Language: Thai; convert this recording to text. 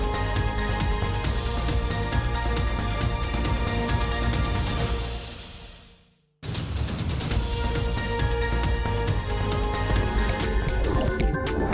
โปรดติดตามตอนต่อไป